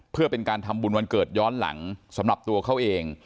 เพื่อเป็นการทำบุญวันเกิดย้อนหลังสำหรับตัวเขาเอง